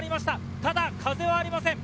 ただ風はありません。